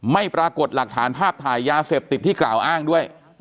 ไม่ปรากฏหลักฐานภาพถ่ายยาเสพติดที่กล่าวอ้างด้วย